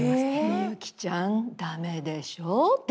「みゆきちゃん駄目でしょ」って。